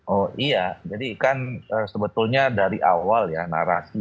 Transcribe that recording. oh iya jadi kan sebetulnya dari awal ya narasi yang selalu disampaikan